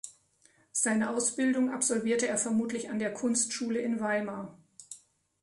Seine Ausbildung absolvierte er vermutlich an der Kunstschule in Weimar.